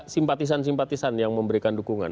simpatisan simpatisan yang memberikan dukungan